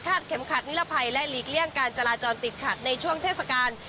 เข็มขัดนิรภัยและหลีกเลี่ยงการจราจรติดขัดในช่วงเทศกาล